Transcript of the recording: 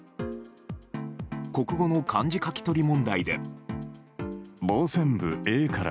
国語の漢字書き取り問題で。